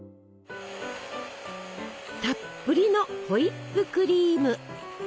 たっぷりのホイップクリーム！